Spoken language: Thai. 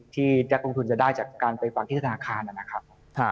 ที่นักลงทุนจะได้จากการไปฟังที่ธนาคารนะครับ